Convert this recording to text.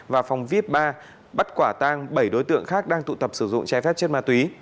và phòng vip ba bắt quả tang bảy đối tượng khác đang tụ tập sử dụng trái phép chất ma túy